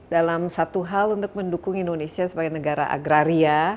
dalam satu hal untuk mendukung indonesia sebagai negara agraria